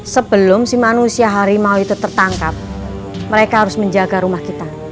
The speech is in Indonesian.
sebelum si manusia harimau itu tertangkap mereka harus menjaga rumah kita